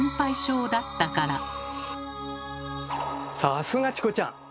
さすがチコちゃん。